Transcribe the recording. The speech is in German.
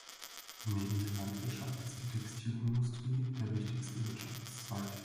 Neben der Landwirtschaft ist die Textilindustrie der wichtigste Wirtschaftszweig.